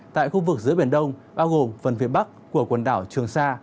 tại khu vực giữa biển đông bao gồm phần phía bắc của quần đảo trường sa